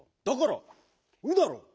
だから「う」だろ！